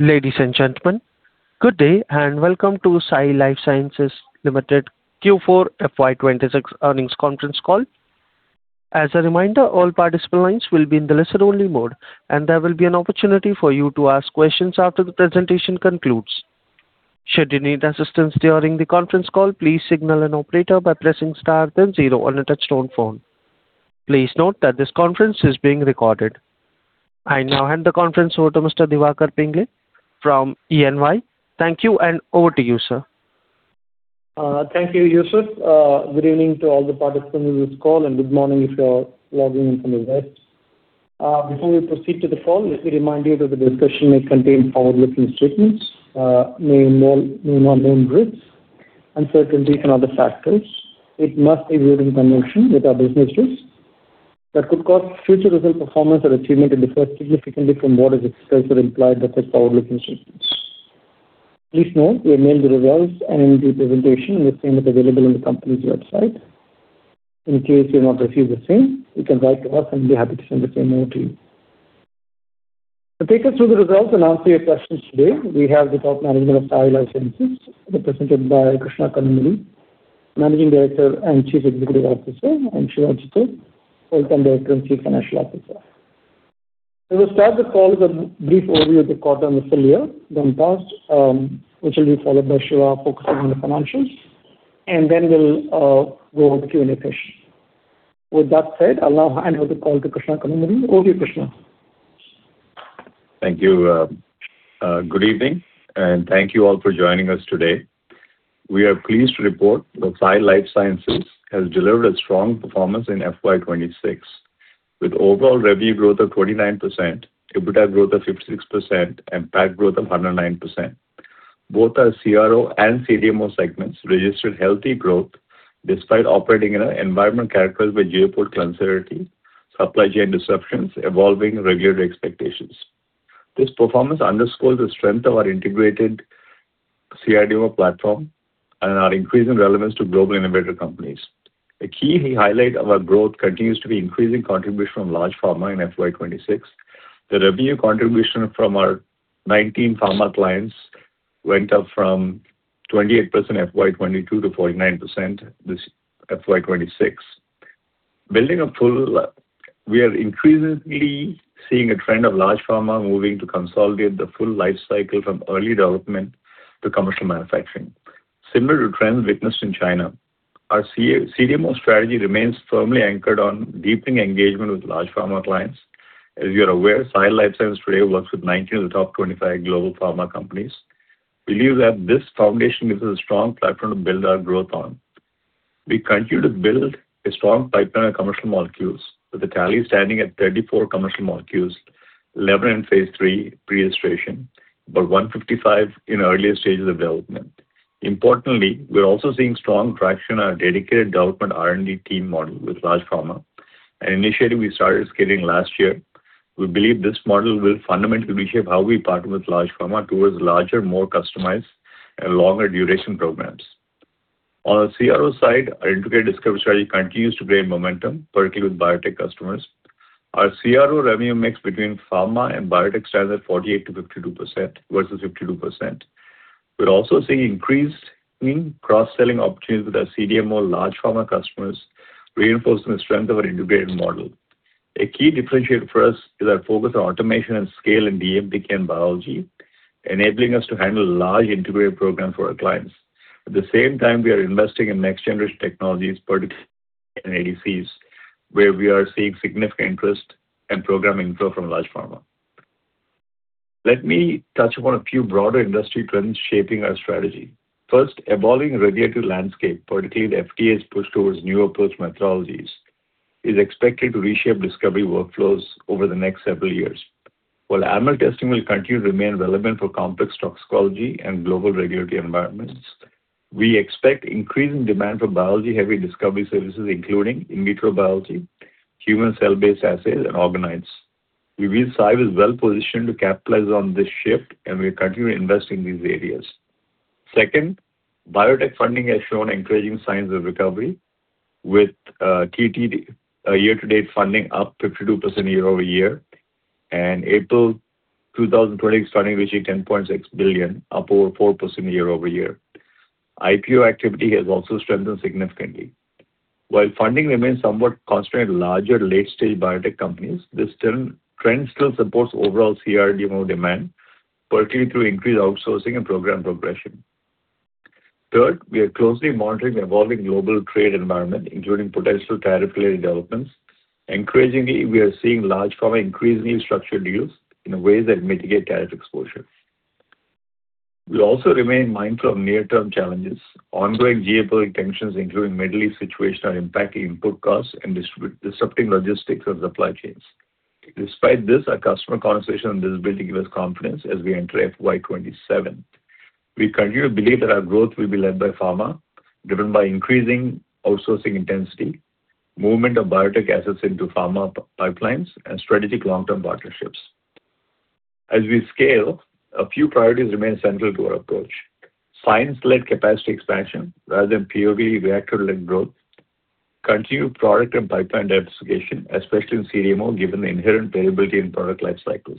Ladies and gentlemen, good day and welcome to Sai Life Sciences Limited Q4 FY 2026 earnings conference call. As a reminder, all participant lines will be in the listen-only mode, and there will be an opportunity for you to ask questions after the presentation concludes. Should you need assistance during the conference call, please signal an operator by pressing star then zero on a touch-tone phone. Please note that this conference is being recorded. I now hand the conference over to Mr. Diwakar Pingle from EY. Thank you and over to you, sir. Thank you, Yusuf. Good evening to all the participants on this call, and good morning if you're logging in from the West. Before we proceed to the call, let me remind you that the discussion may contain forward-looking statements, namely known and unknown risks, uncertainties, and other factors. It must be viewed in connection with our business risks that could cause future result performance or achievement to differ significantly from what is expressed or implied by such forward-looking statements. Please note, we have mailed the results and the presentation, and the same is available on the company's website. In case you've not received the same, you can write to us, and we'll be happy to send the same over to you. To take us through the results and answer your questions today, we have the top management of Sai Life Sciences, represented by Krishna Kanumuri, Managing Director and Chief Executive Officer, and Sivaramakrishnan Chittor, Whole-Time Director and Chief Financial Officer. We will start the call with a brief overview of the quarter and this year, then past, which will be followed by Siva focusing on the financials. Then we'll go over Q&A session. With that said, I'll now hand over the call to Krishna Kanumuri. Over to you, Krishna. Thank you, good evening, and thank you all for joining us today. We are pleased to report that Sai Life Sciences has delivered a strong performance in FY 2026, with overall revenue growth of 29%, EBITDA growth of 56%, and PAT growth of 109%. Both our CRO and CDMO segments registered healthy growth despite operating in an environment characterized by geopolitical uncertainty, supply chain disruptions, evolving regulatory expectations. This performance underscores the strength of our integrated CRO platform and our increasing relevance to global innovator companies. A key highlight of our growth continues to be increasing contribution from large pharma in FY 2026. The revenue contribution from our 19 pharma clients went up from 28% FY 2022 to 49% this FY 2026. We are increasingly seeing a trend of large pharma moving to consolidate the full life cycle from early development to commercial manufacturing. Similar to trends witnessed in China, our CRDMO strategy remains firmly anchored on deepening engagement with large pharma clients. As you're aware, Sai Life Sciences today works with 19 of the top 25 global pharma companies. We believe that this foundation gives us a strong platform to build our growth on. We continue to build a strong pipeline of commercial molecules, with the tally standing at 34 commercial molecules, 11 in phase III pre-registration, but 155 in earlier stages of development. Importantly, we're also seeing strong traction on our dedicated development R&D team model with large pharma, an initiative we started scaling last year. We believe this model will fundamentally shape how we partner with large pharma towards larger, more customized and longer duration programs. On the CRO side, our integrated discovery strategy continues to gain momentum, particularly with biotech customers. Our CRO revenue mix between pharma and biotech stands at 48%-52% versus 52%. We're also seeing increasing cross-selling opportunities with our CDMO large pharma customers, reinforcing the strength of our integrated model. A key differentiator for us is our focus on automation and scale in DMPK and biology, enabling us to handle large integrated programs for our clients. At the same time, we are investing in next-generation technologies, particularly in ADCs, where we are seeing significant interest and program inflow from large pharma. Let me touch upon a few broader industry trends shaping our strategy. First, evolving regulatory landscape, particularly the FDA's push towards new approach methodologies, is expected to reshape discovery workflows over the next several years. While animal testing will continue to remain relevant for complex toxicology and global regulatory environments, we expect increasing demand for biology-heavy discovery services, including in-vitro biology, human cell-based assays, and organoids. We believe Sai is well-positioned to capitalize on this shift, and we continue to invest in these areas. Second, biotech funding has shown encouraging signs of recovery, with QTD year-to-date funding up 52% year-over-year, and April 2020 starting reaching $10.6 billion, up over 4% year-over-year. IPO activity has also strengthened significantly. While funding remains somewhat constrained to larger late-stage biotech companies, this trend still supports overall CRO/CDMO demand, particularly through increased outsourcing and program progression. Third, we are closely monitoring the evolving global trade environment, including potential tariff-related developments. Increasingly, we are seeing large pharma increasingly structure deals in ways that mitigate tariff exposure. We also remain mindful of near-term challenges. Ongoing geopolitical tensions, including Middle East situation, are impacting input costs and disrupting logistics of supply chains. Despite this, our customer conversation and visibility give us confidence as we enter FY 2027. We continue to believe that our growth will be led by pharma, driven by increasing outsourcing intensity, movement of biotech assets into pharma pipelines, and strategic long-term partnerships. As we scale, a few priorities remain central to our approach. Science-led capacity expansion rather than POV reactor-led growth. Continued product and pipeline diversification, especially in CDMO, given the inherent variability in product life cycles.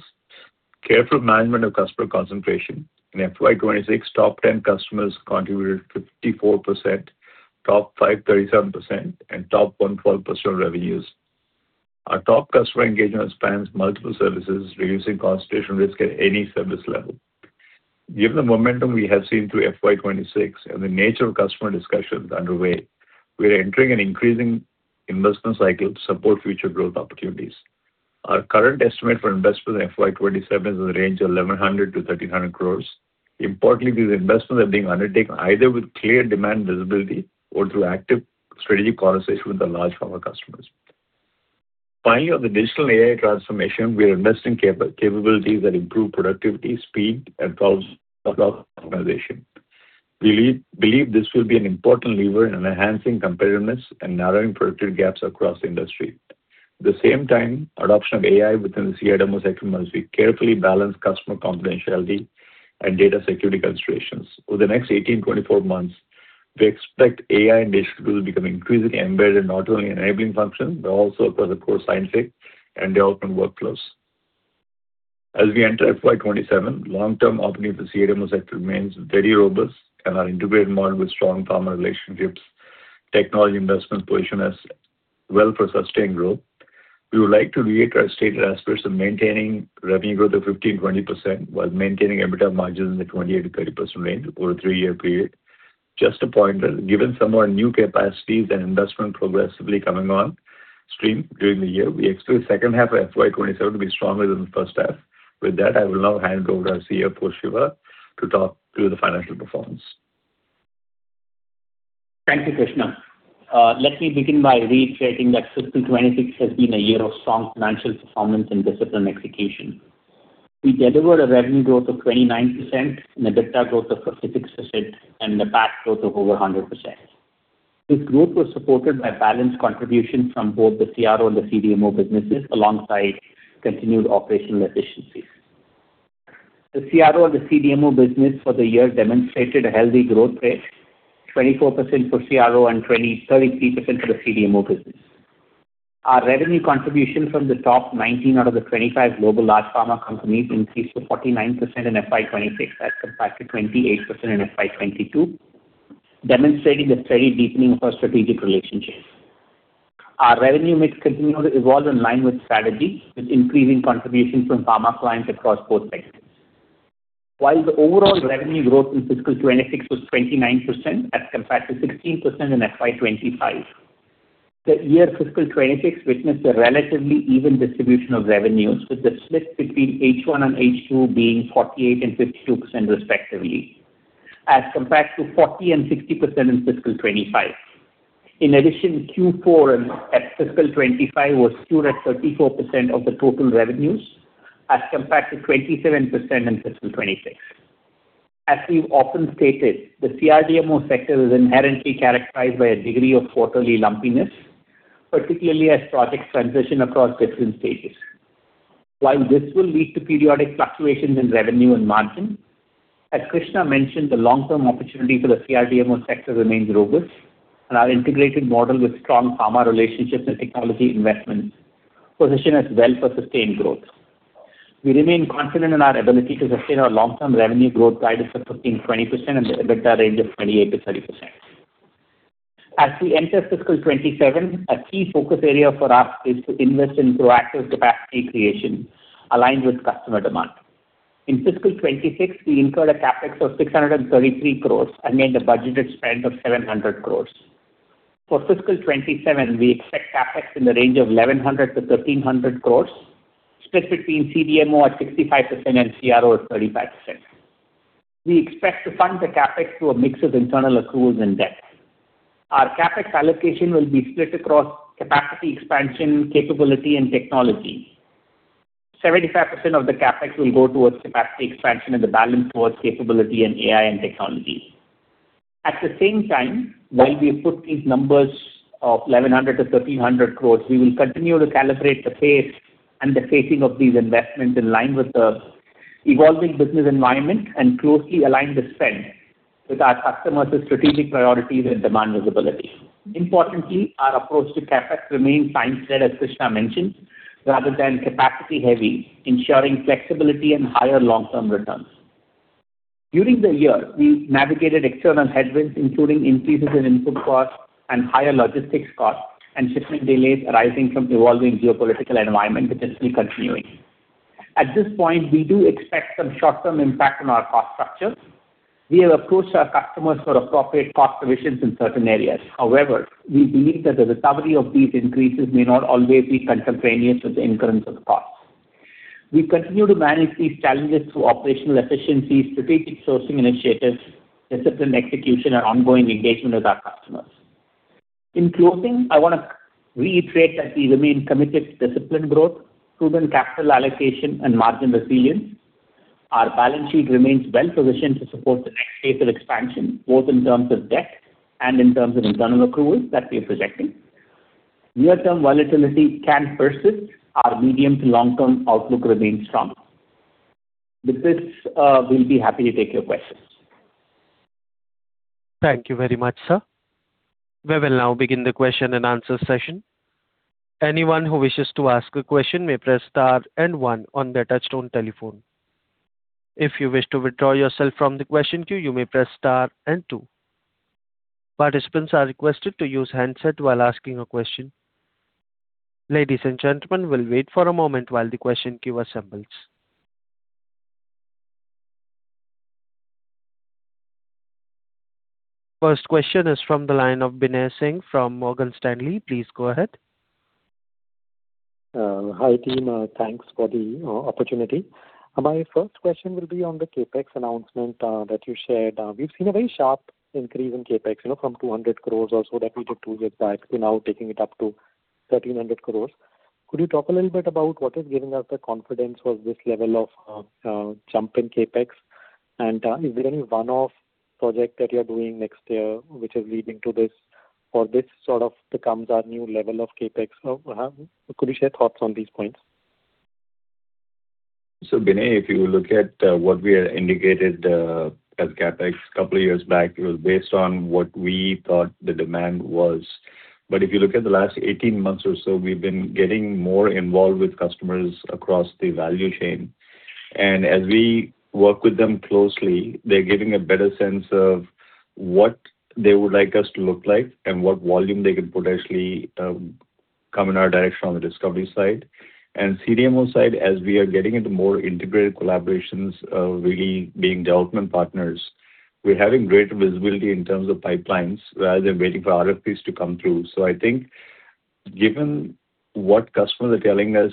Careful management of customer concentration. In FY 2026, top 10 customers contributed 54%, top 5 37%, and top 1 12% of revenues. Our top customer engagement spans multiple services, reducing concentration risk at any service level. Given the momentum we have seen through FY 2026 and the nature of customer discussions underway, we are entering an increasing investment cycle to support future growth opportunities. Our current estimate for investment in FY 2027 is in the range of 1,100 crores-1,300 crores. Importantly, these investments are being undertaken either with clear demand visibility or through active strategic conversation with the large pharma customers. Finally, on the digital AI transformation, we are investing CapEx capabilities that improve productivity, speed, and across organization. We believe this will be an important lever in enhancing competitiveness and narrowing productivity gaps across the industry. At the same time, adoption of AI within the CDMO sector must be carefully balanced customer confidentiality and data security considerations. Over the next 18-24 months, we expect AI and digital to become increasingly embedded not only in enabling functions, but also across the core scientific and development workflows. As we enter FY 2027, long-term opportunity for CDMO sector remains very robust, our integrated model with strong pharma relationships, technology investments position us well for sustained growth. We would like to reiterate our stated aspirations of maintaining revenue growth of 15%-20% while maintaining EBITDA margins in the 28%-30% range over a three-year period. Just a point, given some of our new capacities and investment progressively coming on stream during the year, we expect second half of FY 2027 to be stronger than the first half. With that, I will now hand over to our CFO, Sivaramakrishnan Chittor, to talk through the financial performance. Thank you, Krishna. Let me begin by reiterating that fiscal 2026 has been a year of strong financial performance and disciplined execution. We delivered a revenue growth of 29%, an EBITDA growth of 50%, and a PAT growth of over 100%. This growth was supported by balanced contribution from both the CRO and the CDMO businesses, alongside continued operational efficiencies. The CRO and the CDMO business for the year demonstrated a healthy growth rate, 24% for CRO and 33% for the CDMO business. Our revenue contribution from the top 19 out of the 25 global large pharma companies increased to 49% in FY 2026 as compared to 28% in FY 2022, demonstrating the steady deepening of our strategic relationships. Our revenue mix continued to evolve in line with strategy, with increasing contribution from pharma clients across both segments. While the overall revenue growth in FY 2026 was 29% as compared to 16% in FY 2025, the year FY 2026 witnessed a relatively even distribution of revenues, with the split between H1 and H2 being 48% and 52% respectively, as compared to 40% and 60% in FY 2025. In addition, Q4 in FY 2025 was skewed at 34% of the total revenues as compared to 27% in FY 2026. As we've often stated, the CRDMO sector is inherently characterized by a degree of quarterly lumpiness, particularly as projects transition across different stages. While this will lead to periodic fluctuations in revenue and margin, as Krishna mentioned, the long-term opportunity for the CRDMO sector remains robust, and our integrated model with strong pharma relationships and technology investments position us well for sustained growth. We remain confident in our ability to sustain our long-term revenue growth targets of 15%-20% and the EBITDA range of 28%-30%. As we enter FY 2027, a key focus area for us is to invest in proactive capacity creation aligned with customer demand. In FY 2026, we incurred a CapEx of 633 crores against a budgeted spend of 700 crores. For FY 2027, we expect CapEx in the range of 1,100 crores-1,300 crores, split between CDMO at 65% and CRO at 35%. We expect to fund the CapEx through a mix of internal accruals and debt. Our CapEx allocation will be split across capacity expansion, capability, and technology. 75% of the CapEx will go towards capacity expansion and the balance towards capability in AI and technology. At the same time, while we put these numbers of 1,100-1,300 crores, we will continue to calibrate the pace and the phasing of these investments in line with the evolving business environment and closely align the spend with our customers' strategic priorities and demand visibility. Importantly, our approach to CapEx remains science-led, as Krishna mentioned, rather than capacity-heavy, ensuring flexibility and higher long-term returns. During the year, we navigated external headwinds, including increases in input costs and higher logistics costs and shipment delays arising from evolving geopolitical environment, which is still continuing. At this point, we do expect some short-term impact on our cost structure. We have approached our customers for appropriate cost revisions in certain areas. However, we believe that the recovery of these increases may not always be contemporaneous with the incurrence of the costs. We continue to manage these challenges through operational efficiencies, strategic sourcing initiatives, disciplined execution, and ongoing engagement with our customers. In closing, I want to reiterate that we remain committed to disciplined growth, prudent capital allocation, and margin resilience. Our balance sheet remains well-positioned to support the next phase of expansion, both in terms of debt and in terms of internal accruals that we are projecting. Near-term volatility can persist. Our medium to long-term outlook remains strong. With this, we'll be happy to take your questions. Thank you very much, sir. We will now begin the question and answer session. Anyone who wishes to ask a question may press star and one on their touchtone telephone. If you wish to withdraw yourself from the question queue, you may press star and two. Participants are requested to use handset while asking a question. Ladies and gentlemen, we'll wait for a moment while the question queue assembles. First question is from the line of Binay Singh from Morgan Stanley. Please go ahead. Hi, team. Thanks for the opportunity. My first question will be on the CapEx announcement that you shared. We've seen a very sharp increase in CapEx, you know, from 200 crores or so that we did two years back to now taking it up to 1,300 crores. Could you talk a little bit about what is giving us the confidence for this level of jump in CapEx? Is there any one-off project that you're doing next year which is leading to this, or this sort of becomes our new level of CapEx? Could you share thoughts on these points? Binay, if you look at what we had indicated as CapEx couple years back, it was based on what we thought the demand was. If you look at the last 18 months or so, we've been getting more involved with customers across the value chain. As we work with them closely, they're giving a better sense of what they would like us to look like and what volume they could potentially come in our direction on the discovery side. CDMO side, as we are getting into more integrated collaborations, really being development partners, we're having greater visibility in terms of pipelines rather than waiting for RFPs to come through. I think given what customers are telling us,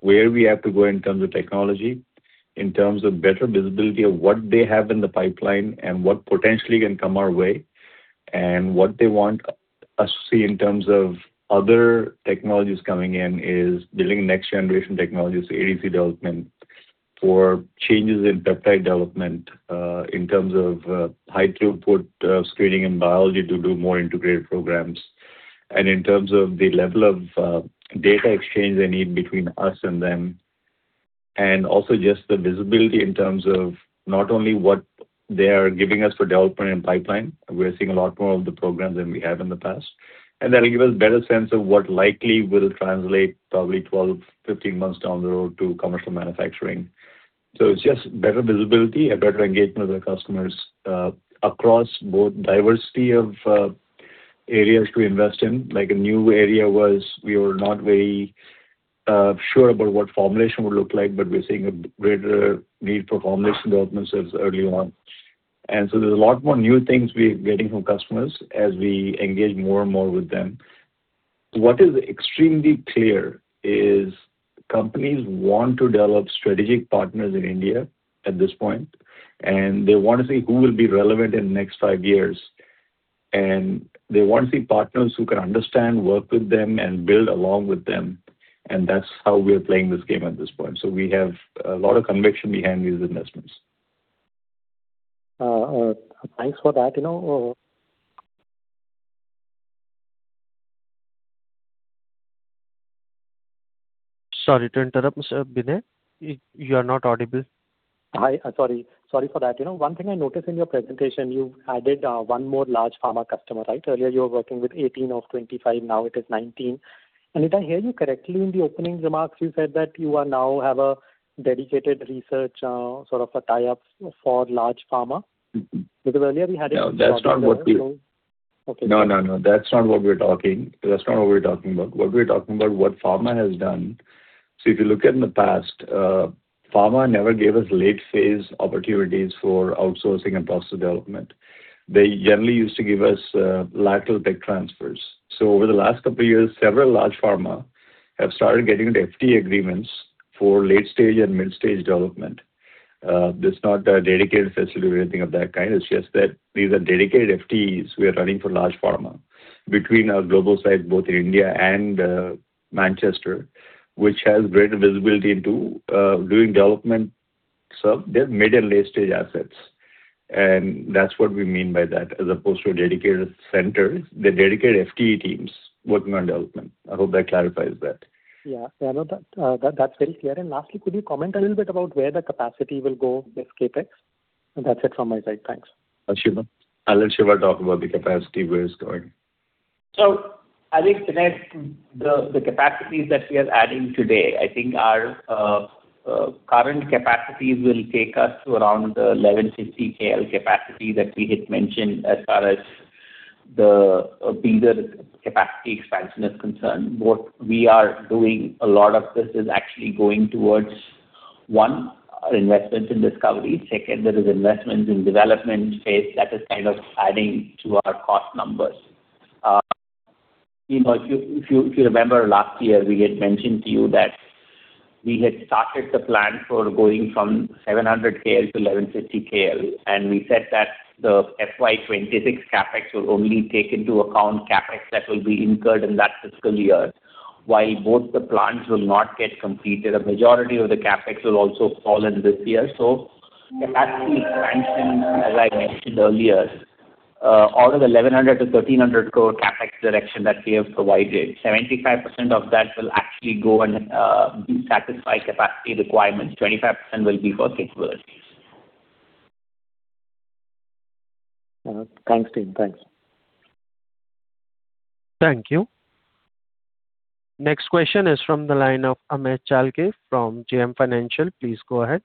where we have to go in terms of technology, in terms of better visibility of what they have in the pipeline and what potentially can come our way, and what they want us to see in terms of other technologies coming in is building next-generation technologies for ADC development or changes in peptide development, in terms of high-throughput screening and biology to do more integrated programs. In terms of the level of data exchange they need between us and them, and also just the visibility in terms of not only what they are giving us for development and pipeline, we're seeing a lot more of the programs than we have in the past. That'll give us better sense of what likely will translate probably 12, 15 months down the road to commercial manufacturing. It's just better visibility and better engagement with the customers across both diversity of areas we invest in. Like a new area was we were not very sure about what formulation would look like, but we're seeing a greater need for formulation development services early on. There's a lot more new things we're getting from customers as we engage more and more with them. What is extremely clear is companies want to develop strategic partners in India at this point, and they want to see who will be relevant in the next 5 years. They want to see partners who can understand, work with them, and build along with them, and that's how we're playing this game at this point. We have a lot of conviction behind these investments. Thanks for that. You know, Sorry to interrupt, sir Binay. You are not audible. Hi. Sorry for that. You know, one thing I noticed in your presentation, you've added one more large pharma customer, right? Earlier you were working with 18 out of 25, now it is 19. Did I hear you correctly in the opening remarks, you said that you are now have a dedicated research sort of a tie-up for large pharma? Because earlier we had. No, that's not what. Okay. No, no. That's not what we're talking about. What we're talking about what pharma has done. If you look at in the past, pharma never gave us late phase opportunities for outsourcing and process development. They generally used to give us lateral tech transfers. Over the last two years, several large pharma have started getting into FTE agreements for late stage and mid stage development. There's not a dedicated facility or anything of that kind. It's just that these are dedicated FTEs we are running for large pharma between our global sites, both in India and Manchester, which has greater visibility into doing development sub their mid-and late-stage assets. That's what we mean by that. As opposed to a dedicated center, they're dedicated FTE teams working on development. I hope that clarifies that. Yeah. Yeah, no, that's very clear. Lastly, could you comment a little bit about where the capacity will go with CapEx? That's it from my side. Thanks. Shiva. I'll let Shiva talk about the capacity, where it's going. I think, Binay, the capacities that we are adding today, I think our current capacities will take us to around 1,150 KL capacity that we had mentioned as far as the Bidar capacity expansion is concerned. What we are doing, a lot of this is actually going towards, one, our investments in discovery. Second, there is investments in development phase that is kind of adding to our cost numbers. You know, if you remember last year, we had mentioned to you that we had started the plan for going from 700 KL to 1,150 KL, and we said that the FY 2026 CapEx will only take into account CapEx that will be incurred in that fiscal year while both the plants will not get completed. A majority of the CapEx will also fall in this year. Capacity expansion, as I mentioned earlier, out of 1,100 crore-1,300 crore CapEx direction that we have provided, 75% of that will actually go and satisfy capacity requirements. 25% will be for capabilities. Thanks, team. Thanks. Thank you. Next question is from the line of Amey Chalke from JM Financial. Please go ahead.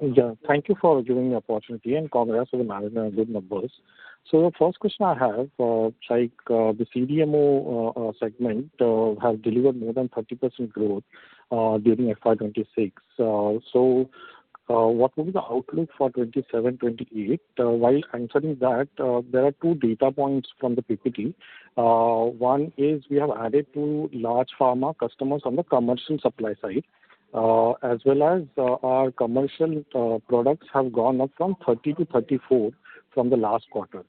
Yeah, thank you for giving me the opportunity, and congrats to the management on good numbers. The first question I have, it's like, the CDMO segment has delivered more than 30% growth during FY 2026. What will be the outlook for 2027, 2028? While answering that, there are two data points from the PPT. One is we have added two large pharma customers on the commercial supply side, as well as our commercial products have gone up from 30 to 34 from the last quarter.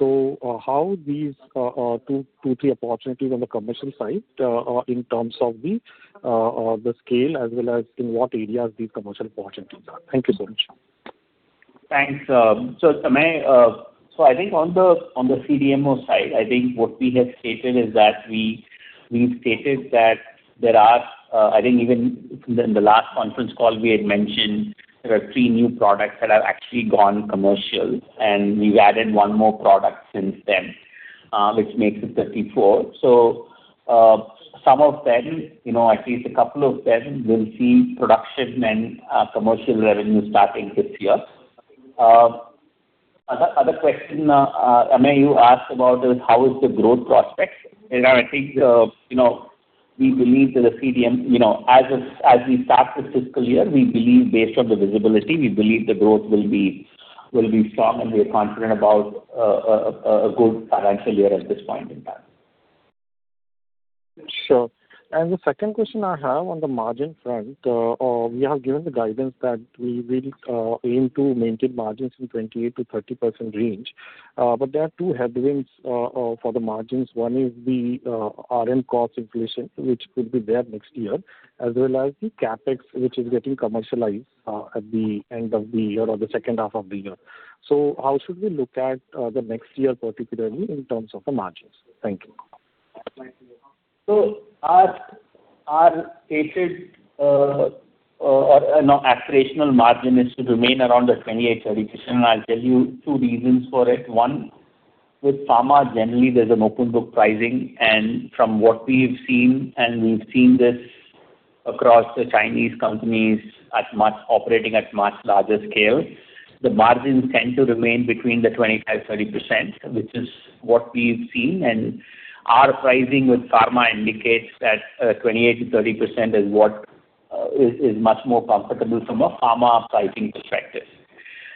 How these two, three opportunities on the commercial side in terms of the scale as well as in what areas these commercial opportunities are? Thank you so much. Thanks. Amey, I think on the CDMO side, I think what we had stated is that we stated that there are, I think even in the last conference call we had mentioned there are three new products that have actually gone commercial, and we've added 1 more product since then, which makes it 34. Some of them, you know, at least a couple of them will see production and commercial revenue starting this year. Other question, Amey, you asked about is how is the growth prospects. You know, I think, you know, we believe that, you know, as we start the fiscal year, we believe based on the visibility, we believe the growth will be strong, and we are confident about a good financial year at this point in time. Sure. The second question I have on the margin front, we have given the guidance that we will aim to maintain margins in 28%-30% range. There are two headwinds for the margins. One is the RM cost inflation, which could be there next year, as well as the CapEx, which is getting commercialized at the end of the year or the second half of the year. How should we look at the next year, particularly in terms of the margins? Thank you. Our, our stated aspirational margin is to remain around the 28-30%. I'll tell you two reasons for it. One, with pharma generally there's an open book pricing. From what we've seen, and we've seen this across the Chinese companies as much operating at much larger scale, the margins tend to remain between the 25-30%, which is what we've seen. Our pricing with pharma indicates that 28-30% is what is much more comfortable from a pharma pricing perspective.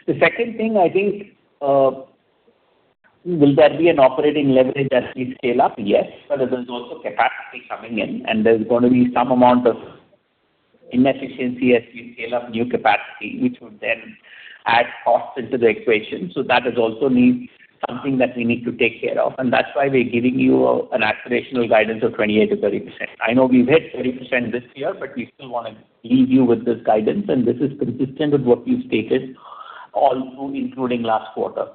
The second thing I think, will there be an operating leverage as we scale up? Yes. There's also capacity coming in, and there's gonna be some amount of inefficiency as we scale up new capacity, which would then add cost into the equation. That is also needs something that we need to take care of. That's why we're giving you an aspirational guidance of 28%-30%. I know we've hit 30% this year. We still wanna leave you with this guidance. This is consistent with what we've stated also including last quarter.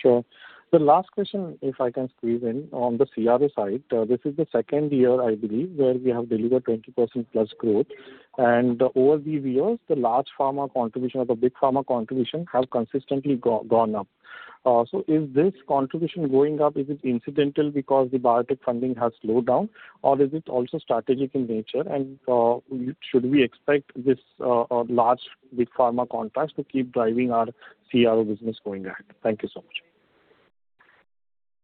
Sure. The last question, if I can squeeze in, on the CRO side, this is the second year, I believe, where we have delivered 20% plus growth. Over the years, the large pharma contribution or the big pharma contribution have consistently gone up. Is this contribution going up, is it incidental because the biotech funding has slowed down, or is it also strategic in nature? Should we expect this large, big pharma contracts to keep driving our CRO business going ahead? Thank you so much.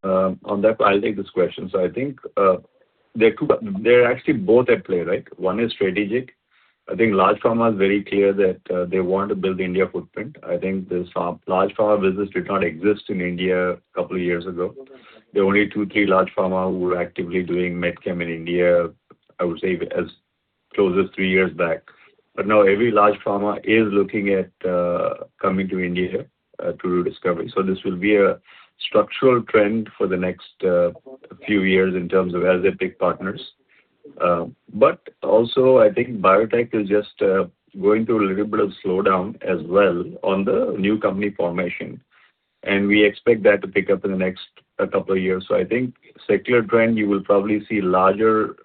On that, I'll take this question. There are actually both at play, right? One is strategic. Large pharma is very clear that they want to build India footprint. This large pharma business did not exist in India 2 years ago. There were only two, three large pharma who were actively doing MedChem in India, I would say as close as three years back. Every large pharma is looking at coming to India through discovery. This will be a structural trend for the next few years in terms of as they pick partners. Biotech is just going through a little bit of slowdown as well on the new company formation, and we expect that to pick up in the next two years. I think secular trend, you will probably see larger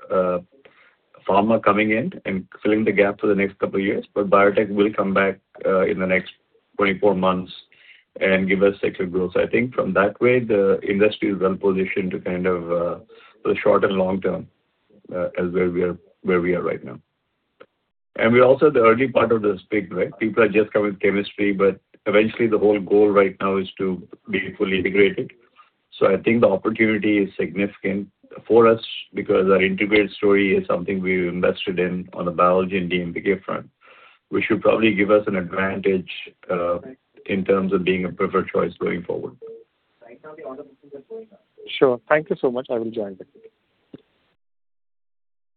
pharma coming in and filling the gap for the next couple of years. Biotech will come back in the next 24 months and give us secular growth. I think from that way, the industry is well positioned to kind of for the short and long term as where we are right now. We're also the early part of this pick, right? People are just coming chemistry, eventually the whole goal right now is to be fully integrated. I think the opportunity is significant for us because our integrated story is something we've invested in on the biology and DMPK front, which should probably give us an advantage in terms of being a preferred choice going forward. Right now the orders are going up. Sure. Thank you so much. I will join the call.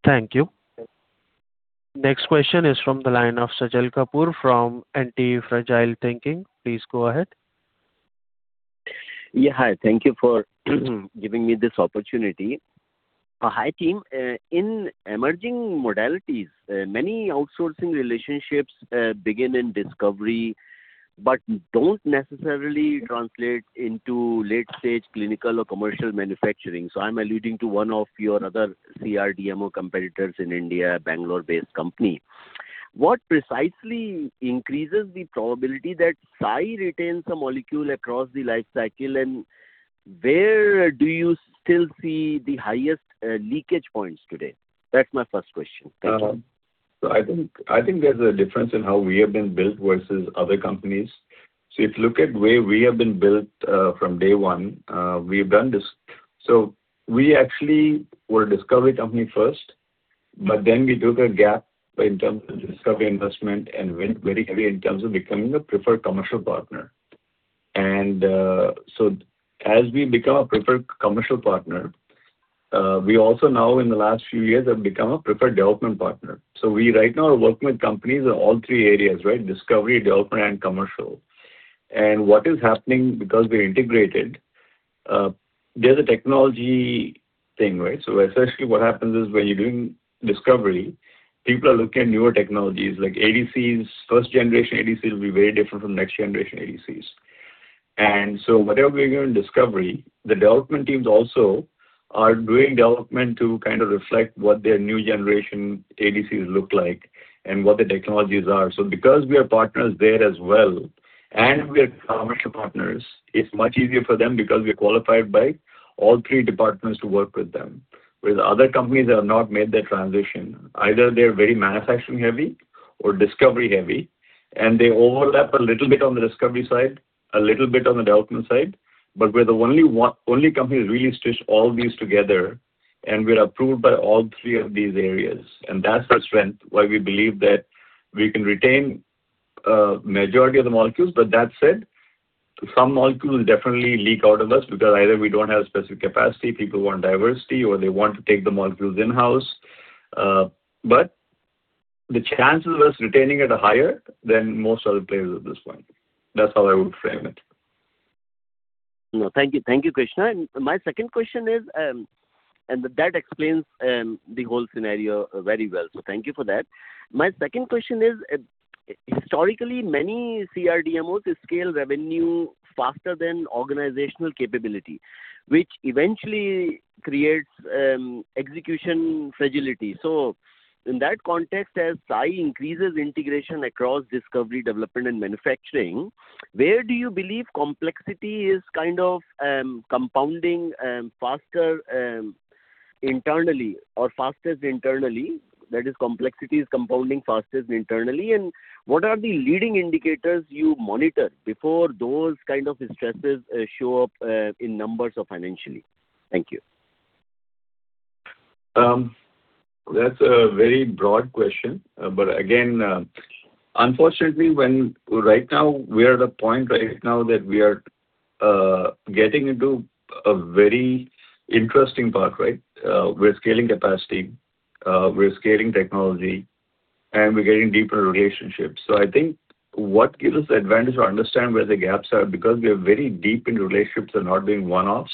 Thank you. Next question is from the line of Sajal Kapoor from Antifragile Thinking. Please go ahead. Hi. Thank you for giving me this opportunity. Hi, team. In emerging modalities, many outsourcing relationships begin in discovery but don't necessarily translate into late-stage clinical or commercial manufacturing. I'm alluding to one of your other CRDMO competitors in India, Bangalore-based company. What precisely increases the probability that Sai retains a molecule across the life cycle, and where do you still see the highest leakage points today? That's my first question. Thank you. I think there's a difference in how we have been built versus other companies. If you look at way we have been built, from day one, we've done this. We actually were a discovery company first, but then we took a gap in terms of discovery investment and went very heavy in terms of becoming a preferred commercial partner. As we become a preferred commercial partner, we also now, in the last few years, have become a preferred development partner. We right now are working with companies in all three areas, right? Discovery, development and commercial. What is happening, because we're integrated, there's a technology thing, right? Essentially what happens is when you're doing discovery, people are looking at newer technologies like ADCs. First generation ADCs will be very different from next generation ADCs. Whatever we're doing in discovery, the development teams also are doing development to kind of reflect what their new generation ADCs look like and what the technologies are. Because we are partners there as well and we are commercial partners, it's much easier for them because we are qualified by all three departments to work with them. With other companies that have not made that transition, either they're very manufacturing heavy or discovery heavy, and they overlap a little bit on the discovery side, a little bit on the development side. We're the only company to really stitch all these together, and we're approved by all three of these areas. That's the strength why we believe that we can retain majority of the molecules. That said, some molecules definitely leak out of us because either we don't have specific capacity, people want diversity, or they want to take the molecules in-house. The chances of us retaining are higher than most other players at this point. That's how I would frame it. No, thank you. Thank you, Krishna. My second question is. That explains the whole scenario very well, so thank you for that. My second question is, historically, many CRDMOs scale revenue faster than organizational capability, which eventually creates execution fragility. In that context, as Sai increases integration across discovery, development and manufacturing, where do you believe complexity is kind of compounding faster internally or fastest internally? That is, complexity is compounding fastest internally. What are the leading indicators you monitor before those kind of stresses show up in numbers or financially? Thank you. That's a very broad question. Again, unfortunately, right now, we are at a point right now that we are getting into a very interesting part, right? We're scaling capacity, we're scaling technology, and we're getting deeper relationships. I think what gives us the advantage to understand where the gaps are, because we are very deep in relationships and not doing one-offs,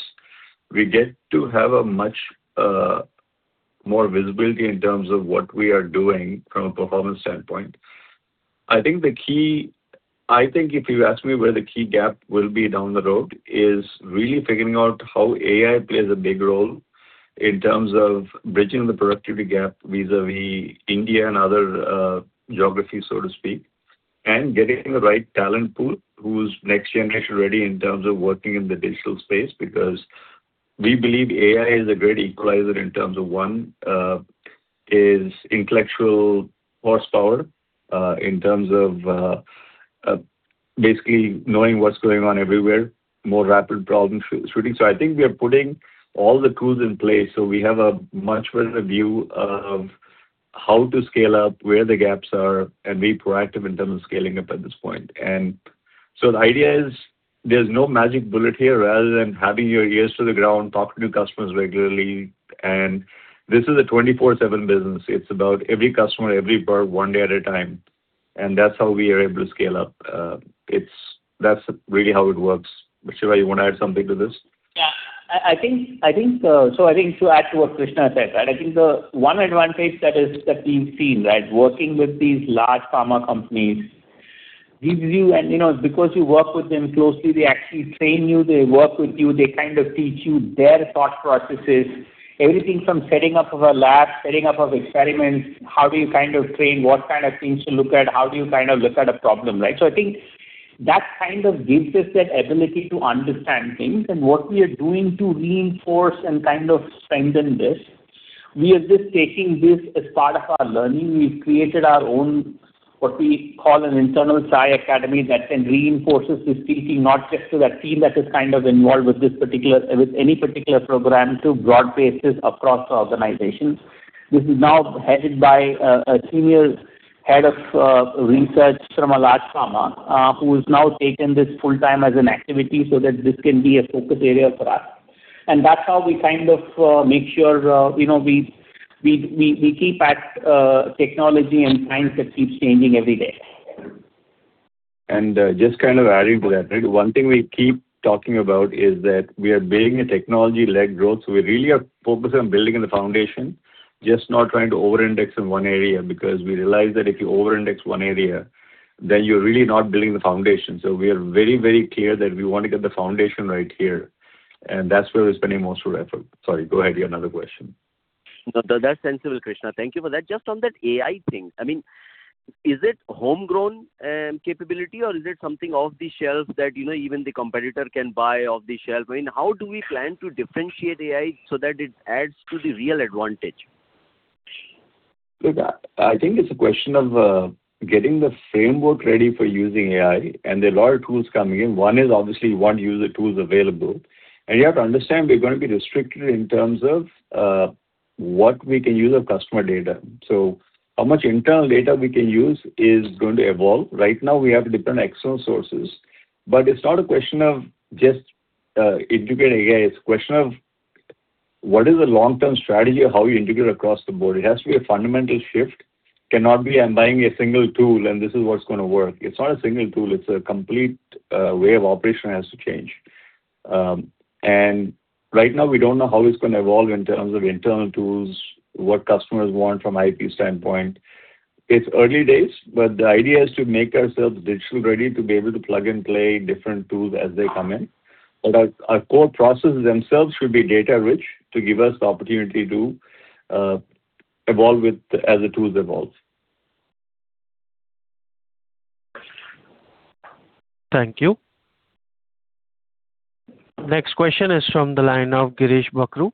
we get to have a much more visibility in terms of what we are doing from a performance standpoint. I think the key if you ask me where the key gap will be down the road is really figuring out how AI plays a big role in terms of bridging the productivity gap vis-à-vis India and other geographies, so to speak, and getting the right talent pool who's next-generation ready in terms of working in the digital space. Because we believe AI is a great equalizer in terms of, one, is intellectual horsepower, in terms of, basically knowing what's going on everywhere, more rapid problem shooting. I think we are putting all the tools in place so we have a much better view of how to scale up, where the gaps are, and be proactive in terms of scaling up at this point. The idea is there's no magic bullet here other than having your ears to the ground, talking to customers regularly. This is a 24/7 business. It's about every customer, every BAR, one day at a time. That's how we are able to scale up. That's really how it works. Shiva, you want to add something to this? I think to add to what Krishna said, right? I think the one advantage the team sees, right? Working with these large pharma companies gives you. You know, because you work with them closely, they actually train you, they work with you, they kind of teach you their thought processes. Everything from setting up of a lab, setting up of experiments, how do you kind of train, what kind of things to look at, how do you kind of look at a problem, right? I think that kind of gives us that ability to understand things. What we are doing to reinforce and kind of strengthen this, we are just taking this as part of our learning. We've created our own, what we call an internal Sai academy that then reinforces this thinking, not just to that team that is kind of involved with any particular program, to broad bases across the organization. This is now headed by a senior head of research from a large pharma who has now taken this full-time as an activity so that this can be a focus area for us. That's how we kind of make sure, you know, we keep at technology and science that keeps changing every day. Just kind of adding to that, right? One thing we keep talking about is that we are building a technology-led growth. We really are focused on building the foundation, just not trying to over-index in one area, because we realize that if you over-index one area, then you're really not building the foundation. We are very, very clear that we want to get the foundation right here, and that's where we're spending most of our effort. Sorry, go ahead to your another question. No, that's sensible, Krishna. Thank you for that. Just on that AI thing, I mean, is it homegrown capability or is it something off the shelf that, you know, even the competitor can buy off the shelf? I mean, how do we plan to differentiate AI so that it adds to the real advantage? I think it's a question of getting the framework ready for using AI and there are a lot of tools coming in. One is obviously what user tools available. You have to understand, we're gonna be restricted in terms of what we can use of customer data. How much internal data we can use is going to evolve. Right now, we have different external sources. It's not a question of just integrating AI, it's a question of what is the long-term strategy of how you integrate across the board. It has to be a fundamental shift. It cannot be I'm buying a single tool. This is what's gonna work. It's not a single tool, it's a complete way of operation has to change. Right now we don't know how it's gonna evolve in terms of internal tools, what customers want from an IP standpoint. It's early days, the idea is to make ourselves digital ready to be able to plug and play different tools as they come in. Our core processes themselves should be data rich to give us the opportunity to evolve with as the tools evolves. Thank you. Next question is from the line of Girish Bakhru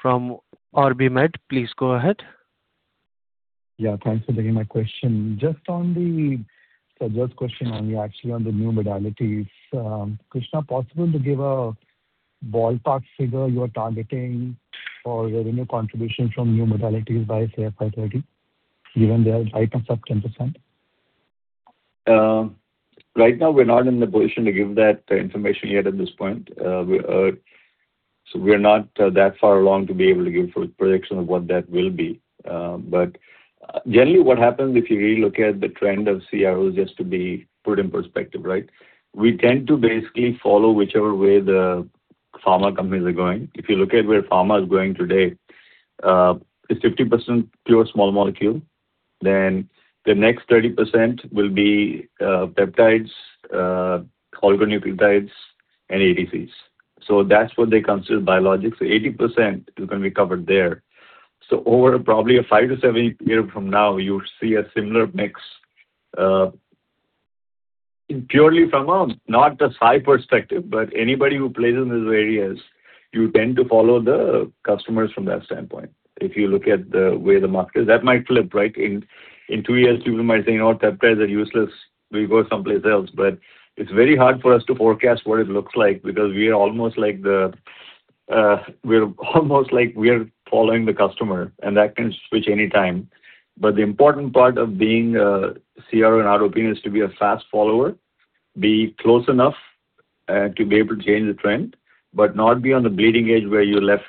from OrbiMed. Please go ahead. Thanks for taking my question. Just on Sajal's question on the, actually on the new modalities, Krishna, possible to give a ballpark figure you're targeting for revenue contribution from new modalities by, say, FY 2025, given they are items of 10%? Right now we're not in the position to give that information yet at this point. We're not that far along to be able to give a prediction of what that will be. Generally what happens if you really look at the trend of CROs, just to be put in perspective, right? We tend to basically follow whichever way the pharma companies are going. If you look at where pharma is going today, it's 50% pure small molecule. The next 30% will be peptides, oligonucleotides and ADCs. That's what they consider biologics. 80% is going to be covered there. Over probably a five to seven year from now, you'll see a similar mix, purely from a, not the Sai perspective, but anybody who plays in these areas, you tend to follow the customers from that standpoint, if you look at the way the market is. That might flip, right? In two years, people might say, "No, peptides are useless. We'll go someplace else." It's very hard for us to forecast what it looks like because we're almost like we are following the customer, and that can switch any time. The important part of being a CRO in our opinion is to be a fast follower, be close enough to be able to change the trend, but not be on the bleeding edge where you're left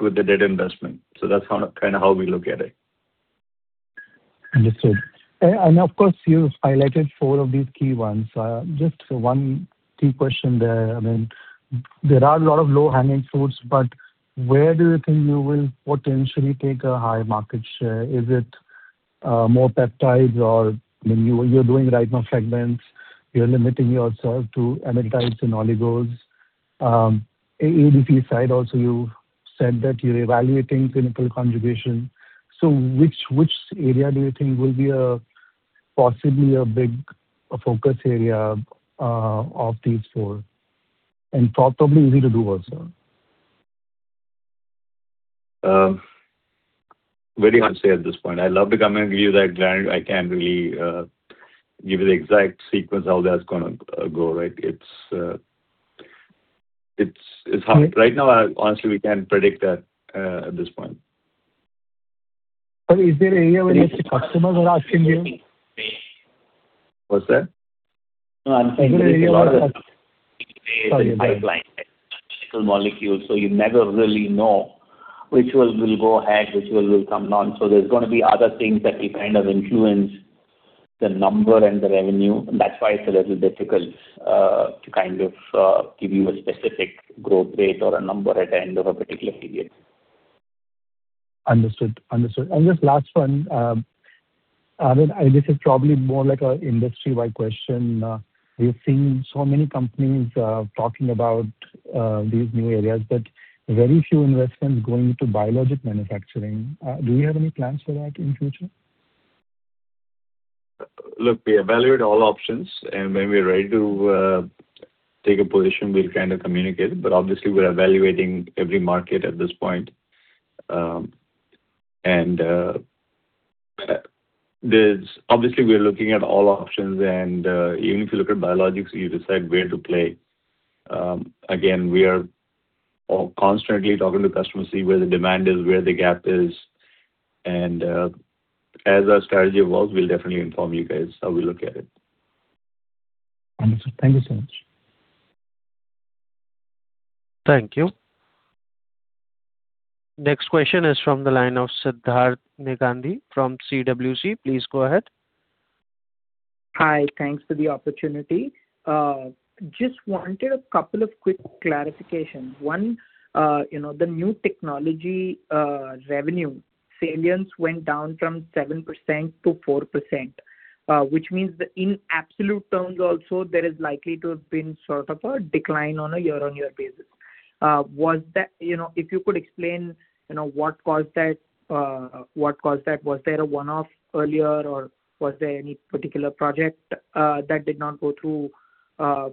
with a dead investment. That's kind of how we look at it. Understood. Of course, you've highlighted four of these key ones. Just one key question there. I mean, there are a lot of low-hanging fruits, but where do you think you will potentially take a high market share? Is it more peptides or, I mean, you're doing right now fragments, you're limiting yourself to peptides and oligos. ADC side also, you've said that you're evaluating clinical conjugation. Which area do you think will be a possibly a big focus area of these four, and probably easy to do also? Very hard to say at this point. I'd love to come and give you that guidance. I can't really give you the exact sequence how that's gonna go, right? It's hard. Right now, honestly, we can't predict that at this point. Is there an area where you see customers are asking you? What's that? No, I'm saying there is a lot of. Sorry about that. pipeline, clinical molecules, you never really know which ones will go ahead, which ones will come none. There's gonna be other things that will kind of influence the number and the revenue. That's why it's a little difficult to kind of give you a specific growth rate or a number at the end of a particular period. Understood. Understood. Just last one, I mean, and this is probably more like a industry-wide question. We've seen so many companies talking about these new areas, but very few investments going into biologic manufacturing. Do you have any plans for that in future? Look, we evaluate all options and when we're ready to take a position, we'll kind of communicate it. Obviously, we're evaluating every market at this point. Obviously, we're looking at all options and even if you look at biologics, you decide where to play. Again, we are all constantly talking to customers to see where the demand is, where the gap is. As our strategy evolves, we'll definitely inform you guys how we look at it. Understood. Thank you so much. Thank you. Next question is from the line of Siddharth Gandhi from PwC. Please go ahead. Hi. Thanks for the opportunity. Just wanted a couple of quick clarifications. One, you know, the new technology, revenue salience went down from 7% to 4%, which means that in absolute terms also there is likely to have been sort of a decline on a year-on-year basis. Was that, you know, if you could explain, you know, what caused that? Was there a one-off earlier or was there any particular project that did not go through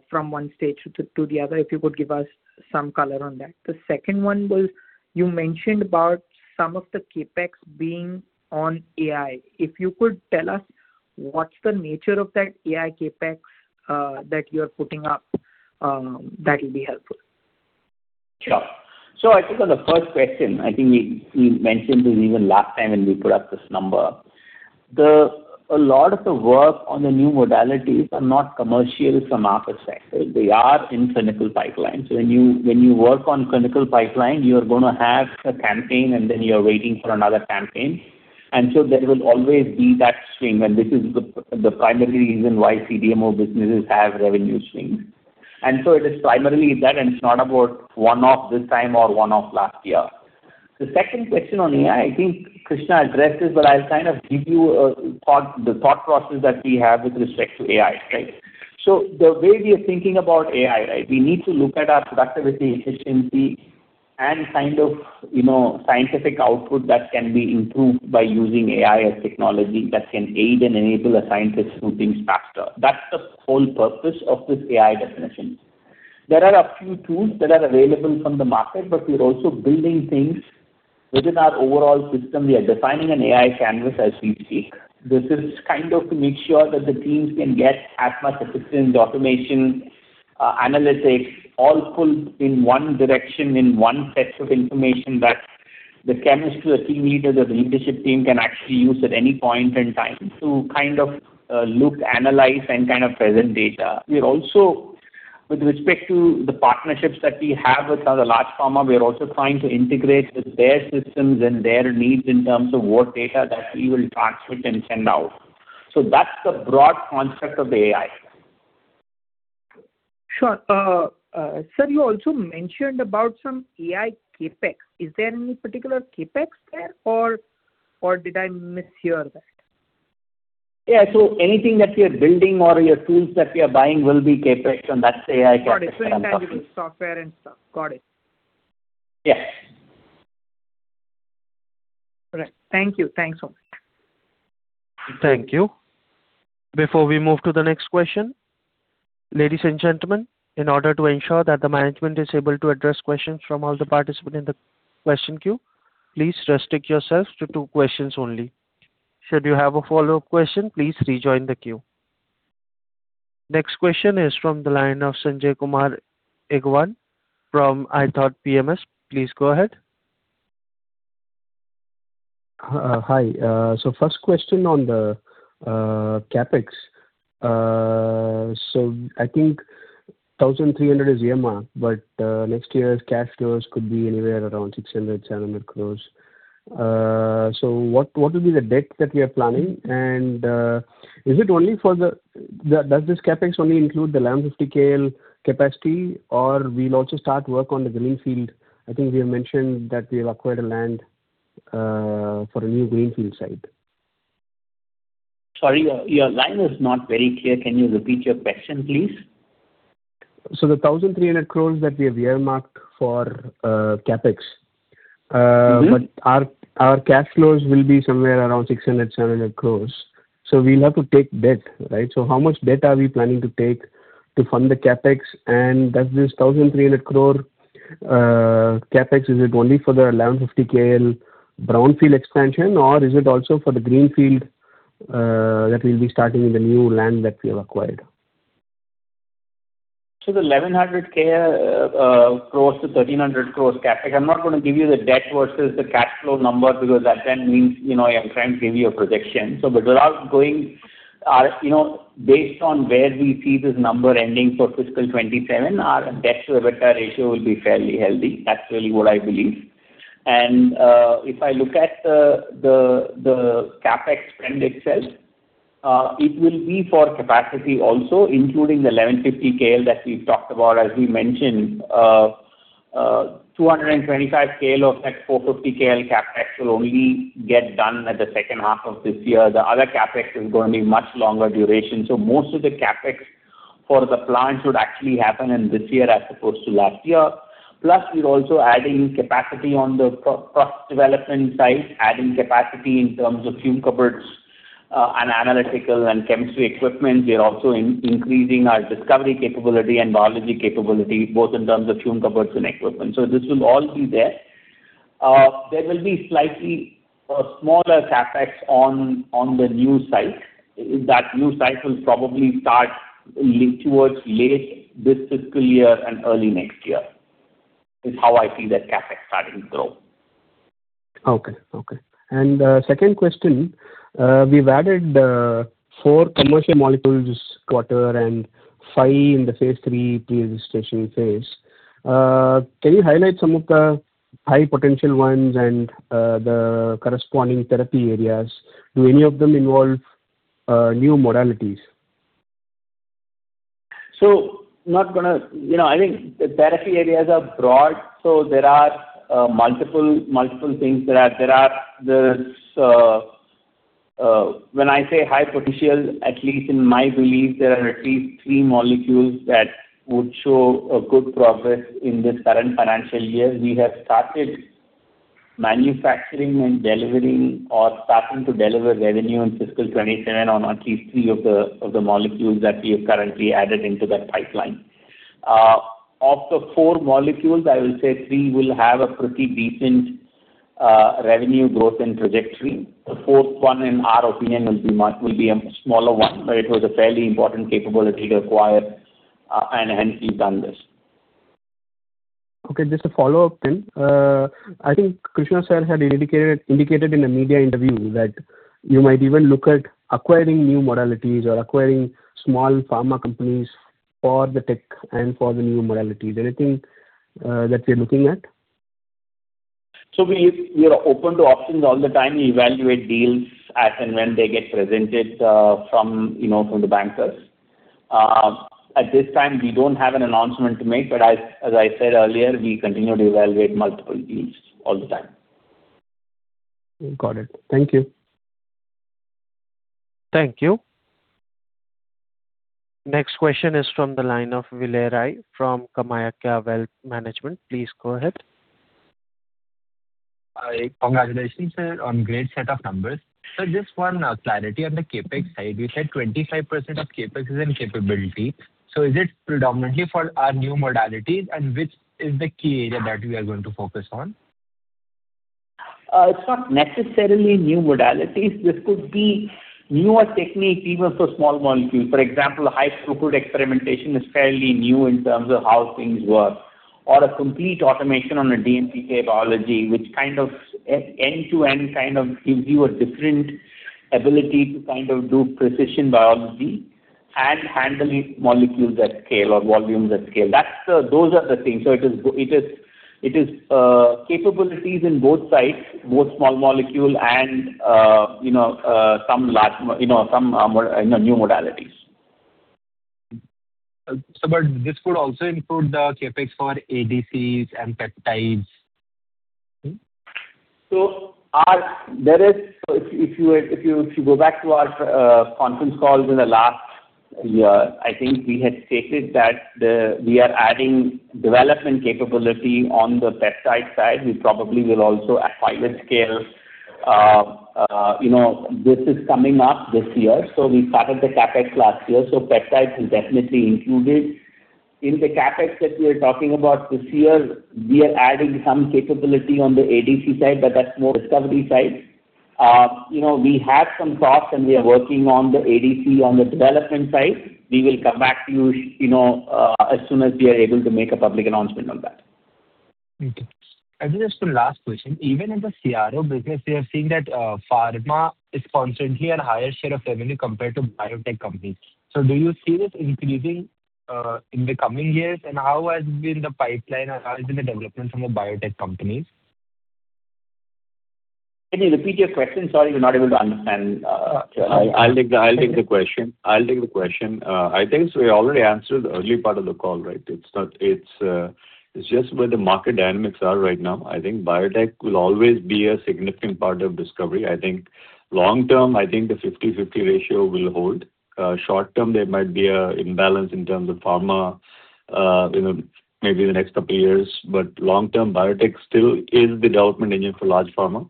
from 1 stage to the other? If you could give us some color on that. The second one was you mentioned about some of the CapEx being on AI. If you could tell us what's the nature of that AI CapEx that you're putting up, that would be helpful. Sure. I think on the first question, I think we mentioned this even last time when we put up this number. A lot of the work on the new modalities are not commercial from our perspective. They are in clinical pipelines. When you work on clinical pipeline, you're gonna have a campaign, and then you're waiting for another campaign. There will always be that swing, and this is the primary reason why CDMO businesses have revenue swings. It is primarily that, and it's not about one-off this time or one-off last year. The second question on AI, I think Krishna addressed this, but I'll kind of give you a thought, the thought process that we have with respect to AI. Right? The way we are thinking about AI, right, we need to look at our productivity, efficiency and kind of, you know, scientific output that can be improved by using AI as technology that can aid and enable a scientist to do things faster. That's the whole purpose of this AI definition. There are a few tools that are available from the market, but we're also building things within our overall system. We are defining an AI canvas as we speak. This is kind of to make sure that the teams can get as much assistance, automation, analytics all pulled in one direction, in one set of information that the chemist or team leaders or the leadership team can actually use at any point in time to kind of, look, analyze, and kind of present data. We're also, with respect to the partnerships that we have with other large pharma, we are also trying to integrate with their systems and their needs in terms of what data that we will transmit and send out. That's the broad concept of AI. Sure. Sir, you also mentioned about some AI CapEx. Is there any particular CapEx there or did I mishear that? Yeah. Anything that we are building or your tools that we are buying will be CapEx, and that's the AI CapEx that I'm talking about. Got it. That will be software and stuff. Got it. Yes. All right. Thank you. Thanks so much. Thank you. Before we move to the next question, ladies and gentlemen, in order to ensure that the management is able to address questions from all the participants in the question queue, please restrict yourself to two questions only. Should you have a follow-up question, please rejoin the queue. Next question is from the line of Sanjay Kumar Elangovan from ithoughtPMS. Please go ahead. Hi. First question on the CapEx. I think 1,300 is earmarked, but next year's cash flows could be anywhere around 600 crore-700 crore. What, what will be the debt that we are planning? Does this CapEx only include the land 50 KL capacity or we'll also start work on the greenfield? I think we have mentioned that we have acquired a land for a new greenfield site. Sorry, your line is not very clear. Can you repeat your question, please? The 1,300 crores that we have earmarked for CapEx. Our cash flows will be somewhere around 600 crore-700 crore. We'll have to take debt, right? How much debt are we planning to take to fund the CapEx? Does this 1,300 crore CapEx, is it only for the 1,150 KL brownfield expansion or is it also for the greenfield that we'll be starting in the new land that we have acquired? The 1,100 crore-1,300 crore CapEx, I'm not gonna give you the debt versus the cash flow number because that then means, you know, I'm trying to give you a projection. Without going, you know, based on where we see this number ending for FY 2027, our debt-to-EBITDA ratio will be fairly healthy. That's really what I believe. If I look at the CapEx spend itself, it will be for capacity also, including the 1,150 KL that we've talked about. As we mentioned, 225 KL of that 450 KL CapEx will only get done at the second half of this year. The other CapEx is going to be much longer duration. Most of the CapEx for the plant would actually happen in this year as opposed to last year. We're also adding capacity on the product development side, adding capacity in terms of fume cupboards, and analytical and chemistry equipment. We are also increasing our discovery capability and biology capability, both in terms of fume cupboards and equipment. This will all be there. There will be slightly a smaller CapEx on the new site. That new site will probably start towards late this fiscal year and early next year, is how I see that CapEx starting to grow. Okay. Okay. Second question. We've added four commercial molecules this quarter and 5 in the phase III pre-registration phase. Can you highlight some of the high potential ones and the corresponding therapy areas? Do any of them involve new modalities? Not gonna You know, I think the therapy areas are broad, so there are multiple things. There are this When I say high potential, at least in my belief, there are at least three molecules that would show a good progress in this current financial year. We have started manufacturing and delivering or starting to deliver revenue in FY 2027 on at least three of the molecules that we have currently added into that pipeline. Of the four molecules, I will say three will have a pretty decent revenue growth and trajectory. The fourth one, in our opinion, will be a smaller one, but it was a fairly important capability to acquire, hence we've done this. Okay, just a follow-up then. I think Krishna Kanumuri had indicated in a media interview that you might even look at acquiring new modalities or acquiring small pharma companies for the tech and for the new modalities. Anything that you're looking at? We are open to options all the time. We evaluate deals as and when they get presented, from, you know, from the bankers. At this time, we don't have an announcement to make, but as I said earlier, we continue to evaluate multiple deals all the time. Got it. Thank you. Thank you. Next question is from the line of Vinay Rai from KamayaKya Wealth Management. Please go ahead. Hi. Congratulations, sir, on great set of numbers. Just one clarity on the CapEx side. You said 25% of CapEx is in capability. Is it predominantly for our new modalities, and which is the key area that we are going to focus on? It's not necessarily new modalities. This could be newer technique even for small molecules. For example, high-throughput experimentation is fairly new in terms of how things work or a complete automation on a DMPK biology, which kind of end-to-end kind of gives you a different ability to kind of do precision biology and handling molecules at scale or volumes at scale. Those are the things. It is capabilities in both sides, both small molecule and, you know, some, you know, new modalities. This could also include the CapEx for ADCs and peptides. If you go back to our conference calls in the last year, I think we had stated that we are adding development capability on the peptide side. We probably will also at pilot scale, you know, this is coming up this year. We started the CapEx last year, so peptides is definitely included. In the CapEx that we are talking about this year, we are adding some capability on the ADC side, but that's more discovery side. You know, we have some products and we are working on the ADC on the development side. We will come back to you know, as soon as we are able to make a public announcement on that. Okay. Just a last question. Even in the CRO business, we are seeing that, pharma is constantly at a higher share of revenue compared to biotech companies. Do you see this increasing in the coming years, and how has been the pipeline or how has been the development from the biotech companies? Can you repeat your question? Sorry, we're not able to understand, sir. I'll take the question. We already answered the early part of the call, right? It's just where the market dynamics are right now. I think biotech will always be a significant part of discovery. I think long term, I think the 50-50 ratio will hold. Short term, there might be an imbalance in terms of pharma, you know, maybe in the next couple of years. Long term, biotech still is the development engine for large pharma.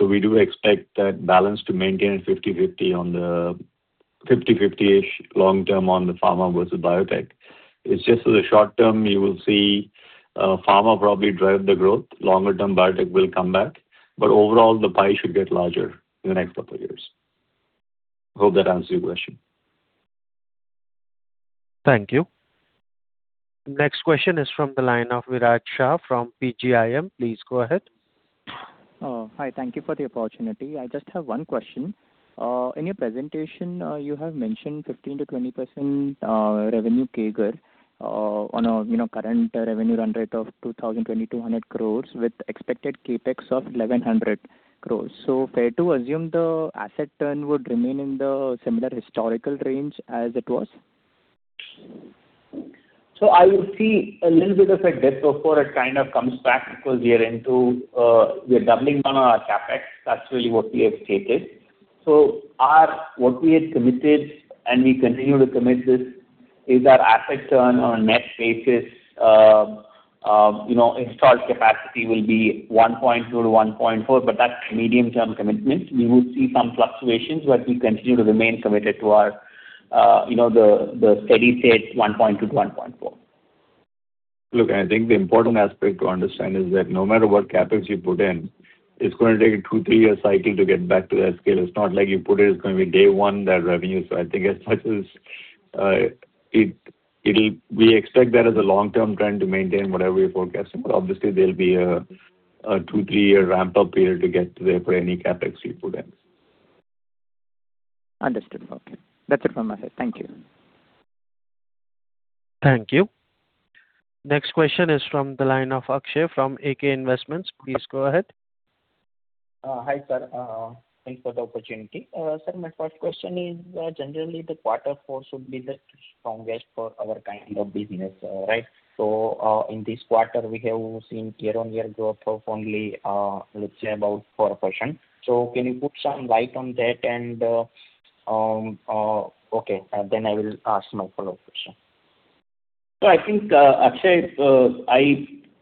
We do expect that balance to maintain at 50-50 on the 50-50-ish long term on the pharma versus biotech. It's just as a short term, you will see pharma probably drive the growth. Longer term, biotech will come back. Overall, the pie should get larger in the next couple of years. Hope that answers your question. Thank you. Next question is from the line of Viraj Shah from PGIM. Please go ahead. Oh, hi. Thank you for the opportunity. I just have one question. In your presentation, you have mentioned 15%-20% revenue CAGR on a, you know, current revenue run rate of 2,200 crores with expected CapEx of 1,100 crores. Fair to assume the asset turn would remain in the similar historical range as it was? I will see a little bit of a dip before it kind of comes back because we are into, we are doubling down on our CapEx. That's really what we have stated. What we had committed, and we continue to commit this, is our asset turn on a net basis, you know, installed capacity will be 1.2-1.4, but that's medium-term commitment. We will see some fluctuations, but we continue to remain committed to our, you know, the steady state 1.2-1.4. I think the important aspect to understand is that no matter what CapEx you put in, it's gonna take a two, three-year cycle to get back to that scale. It's not like you put it's gonna be day one that revenue. I think as much as we expect that as a long-term trend to maintain whatever you're forecasting, but obviously there'll be a two, three-year ramp-up period to get there for any CapEx you put in. Understood. Okay. That's it from my side. Thank you. Thank you. Next question is from the line of Akshay Kaila from AK Investments. Please go ahead. Hi, sir. Thanks for the opportunity. Sir, my first question is, generally the Q4 should be the strongest for our kind of business, right? In this quarter, we have seen year-on-year growth of only, let's say about 4%. Can you put some light on that? I will ask my follow-up question. I think, Akshay,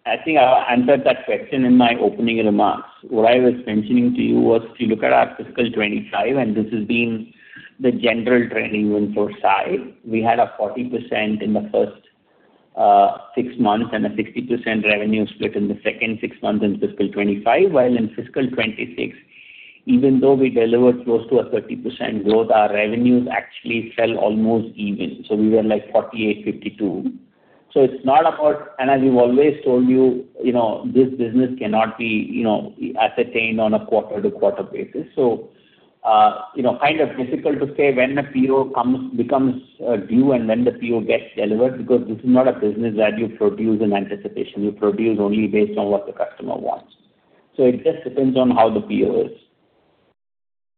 I think I answered that question in my opening remarks. What I was mentioning to you was if you look at our FY 2025, and this has been the general trending even for Sai, we had a 40% in the first six months and a 60% revenue split in the second six months in FY 2025, while in FY 2026, even though we delivered close to a 30% growth, our revenues actually fell almost even. We were like 48, 52. It's not about as we've always told you know, this business cannot be, you know, ascertained on a quarter-to-quarter basis. Kind of difficult to say when the PO becomes due and when the PO gets delivered, because this is not a business that you produce in anticipation. You produce only based on what the customer wants. It just depends on how the PO is.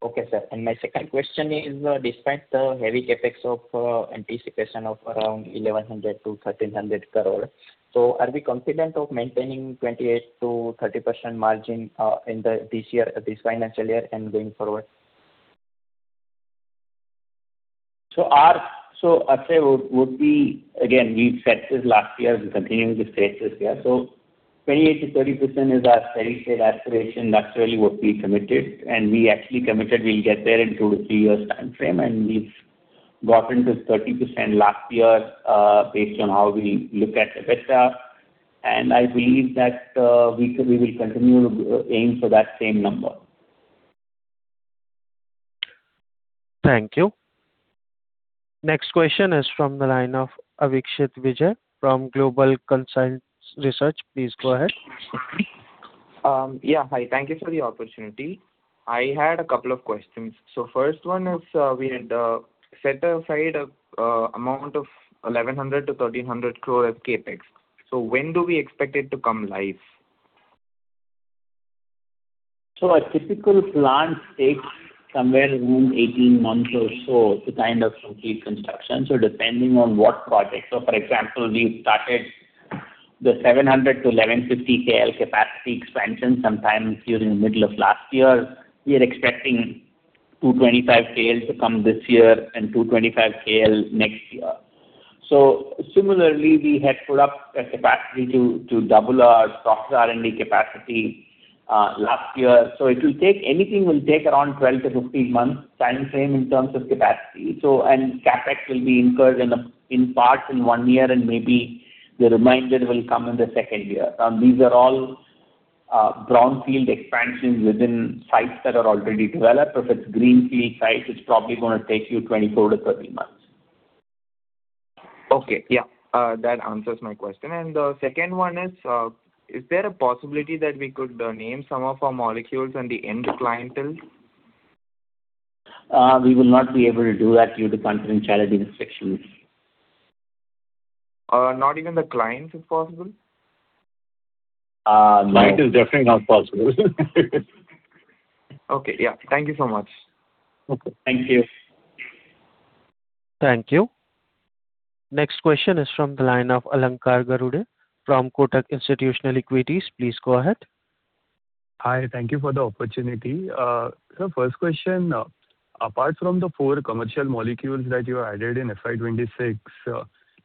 Okay, sir. My second question is, despite the heavy CapEx of anticipation of around 1,100 crore-1,300 crore, are we confident of maintaining 28%-30% margin this year, this financial year and going forward? Akshay, what we've said this last year and continuing to say it this year. 28%-30% is our steady state aspiration. That's really what we committed. We actually committed we'll get there in two to three years timeframe, and we've gotten to 30% last year, based on how we look at EBITDA. I believe that we will continue to aim for that same number. Thank you. Next question is from the line of Avikshit Vijay from Global Consilient Research. Please go ahead. Hi. Thank you for the opportunity. I had a couple of questions. First one is, we had set aside a amount of 1,100-1,300 crore as CapEx. When do we expect it to come live? A typical plant takes somewhere around 18 months or so to complete construction. Depending on what project. For example, we started the 700-1,150 KL capacity expansion sometime during the middle of last year. We are expecting 225 KLs to come this year and 225 KL next year. Similarly, we had put up a capacity to double our process R&D capacity last year. Anything will take around 12-15 months timeframe in terms of capacity. And CapEx will be incurred in parts in one year and maybe the remainder will come in the 2nd year. These are all brownfield expansions within sites that are already developed. If it's greenfield site, it's probably gonna take you 24-30 months. Okay. Yeah. That answers my question. The second one is there a possibility that we could name some of our molecules and the end clientele? We will not be able to do that due to confidentiality restrictions. Not even the clients, if possible? no. Client is definitely not possible. Okay. Yeah. Thank you so much. Okay. Thank you. Thank you. Next question is from the line of Alankar Garude from Kotak Institutional Equities. Please go ahead. Hi. Thank you for the opportunity. First question, apart from the four commercial molecules that you added in FY 2026,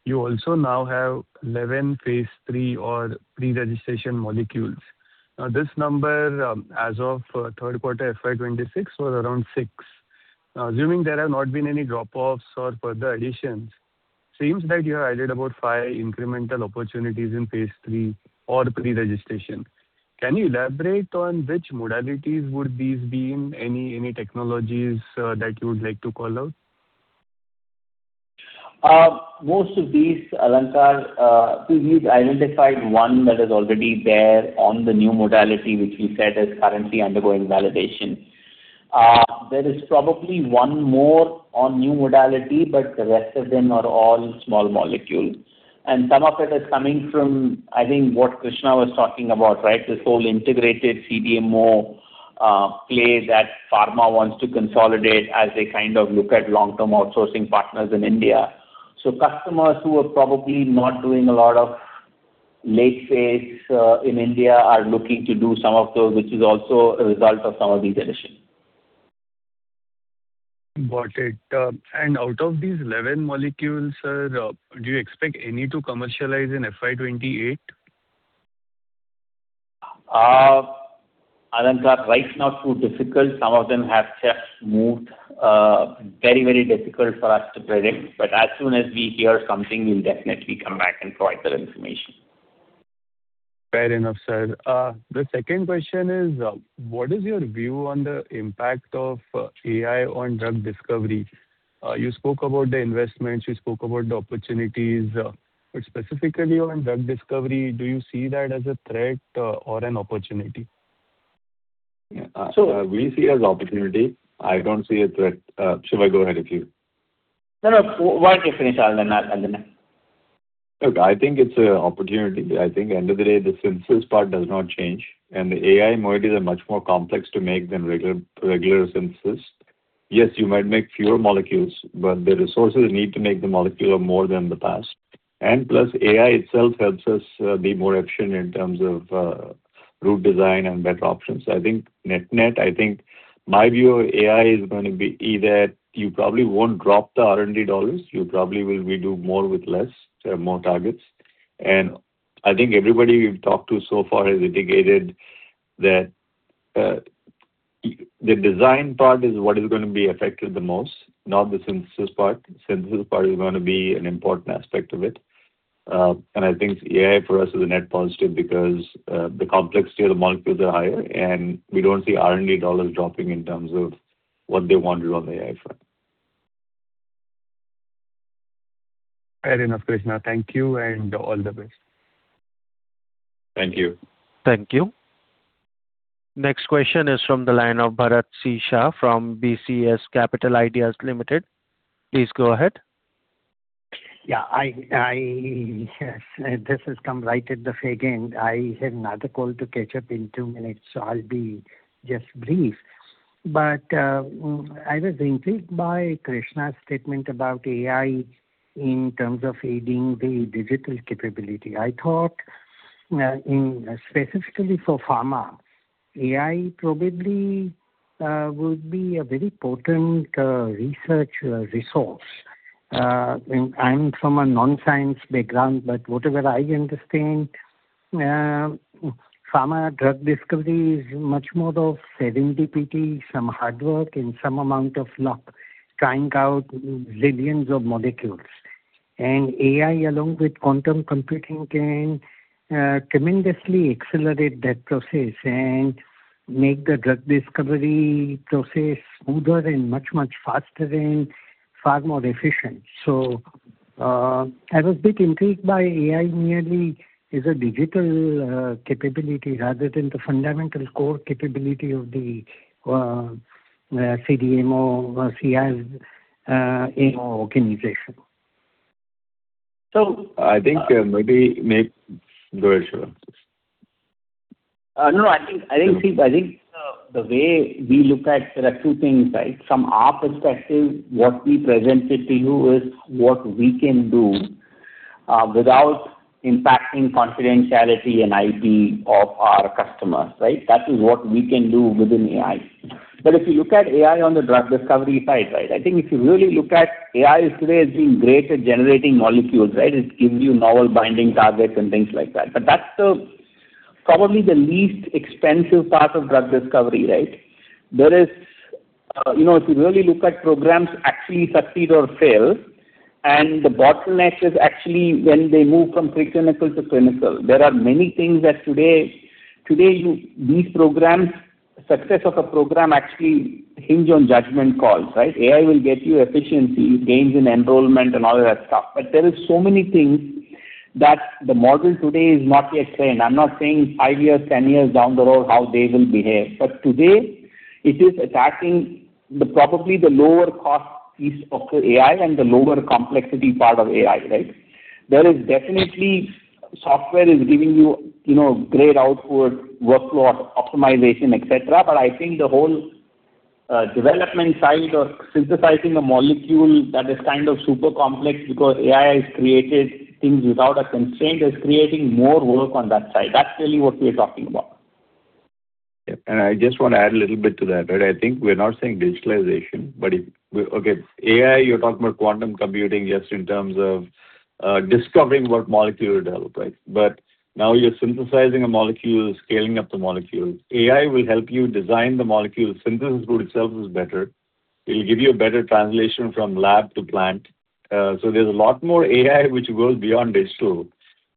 you also now have 11 phase III or pre-registration molecules. This number, as of 3rd quarter FY 2026, was around six. Assuming there have not been any drop-offs or further additions, seems like you have added about five incremental opportunities in phase III or pre-registration. Can you elaborate on which modalities would these be in? Any, any technologies that you would like to call out? Most of these, Alankar, we've identified one that is already there on the new modality, which we said is currently undergoing validation. There is probably one more on new modality, but the rest of them are all small molecules. Some of it is coming from, I think, what Krishna was talking about, right? This whole integrated CDMO play that pharma wants to consolidate as they kind of look at long-term outsourcing partners in India. Customers who are probably not doing a lot of late phase in India are looking to do some of those, which is also a result of some of these additions. Got it. Out of these 11 molecules, sir, do you expect any to commercialize in FY 2028? Alankar, right now it's too difficult. Some of them have just moved. very, very difficult for us to predict. As soon as we hear something, we'll definitely come back and provide that information. Fair enough, sir. The second question is, what is your view on the impact of AI on drug discovery? You spoke about the investments, you spoke about the opportunities, but specifically on drug discovery, do you see that as a threat or an opportunity? Yeah. So- We see it as opportunity. I don't see a threat. Shiva, go ahead if you. No, no. Why don't you finish, and then I. I think it's an opportunity. I think end of the day, the synthesis part does not change, and the AI moieties are much more complex to make than regular synthesis. You might make fewer molecules, but the resources needed to make the molecule are more than the past. Plus AI itself helps us be more efficient in terms of route design and better options. I think net-net, I think my view of AI is going to be either you probably won't drop the R&D dollars, you probably will be doing more with less, more targets. I think everybody we've talked to so far has indicated that the design part is what is going to be affected the most, not the synthesis part. Synthesis part is going to be an important aspect of it. I think AI for us is a net positive because the complexity of the molecules are higher, and we don't see R&D dollars dropping in terms of what they want to do on the AI front. Fair enough, Krishna. Thank you, and all the best. Thank you. Thank you. Next question is from the line of Bharat C. Shah from BCS Capital Ideas Limited. Please go ahead. This has come right at the very end. I have another call to catch up in two minutes, so I'll be just brief. I was intrigued by Krishna's statement about AI in terms of aiding the digital capability. I thought in specifically for pharma, AI probably would be a very potent research resource. I'm from a non-science background, but whatever I understand, pharma drug discovery is much more of serendipity, some hard work and some amount of luck trying out zillions of molecules. AI, along with quantum computing, can tremendously accelerate that process and make the drug discovery process smoother and much, much faster and far more efficient. I was bit intrigued by AI merely as a digital capability rather than the fundamental core capability of the CDMO or CRO, AMO organization. So- I think, Go ahead, Shiva. No, I think the way we look at There are two things, right? From our perspective, what we presented to you is what we can do without impacting confidentiality and IP of our customers, right? That is what we can do within AI. If you look at AI on the drug discovery side, right, I think if you really look at AI today is being great at generating molecules, right? It gives you novel binding targets and things like that. That's the, probably the least expensive part of drug discovery, right? There is, you know, if you really look at programs actually succeed or fail, and the bottleneck is actually when they move from pre-clinical to clinical. There are many things that today, these programs, success of a program actually hinge on judgment calls, right? AI will get you efficiency, gains in enrollment, and all of that stuff. There are so many things that the model today is not yet trained. I'm not saying five years, 10 years down the road how they will behave, today it is attacking the, probably the lower cost piece of the AI and the lower complexity part of AI, right? There is definitely software is giving you know, great output, workflow optimization, et cetera. I think the whole development side or synthesizing a molecule that is kind of super complex because AI has created things without a constraint is creating more work on that side. That's really what we're talking about. Yeah. I just wanna add a little bit to that, right. I think we're not saying digitalization, but if Okay, AI, you're talking about quantum computing just in terms of discovering what molecule to develop, right. Now you're synthesizing a molecule, scaling up the molecule. AI will help you design the molecule. Synthesis route itself is better. It'll give you a better translation from lab to plant. There's a lot more AI which goes beyond digital.